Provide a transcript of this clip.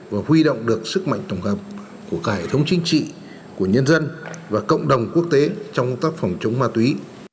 và huy động được sức mạnh tổng hợp của cả hệ thống chính trị của nhân dân và cộng đồng quốc tế trong công tác phòng chống ma túy